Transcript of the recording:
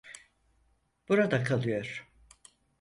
Burada kalıyor.